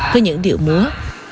với những điệu múa